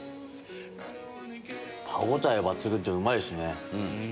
歯応え抜群でうまいですね。